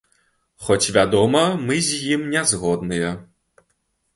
Хоць, вядома, мы з ім не згодныя.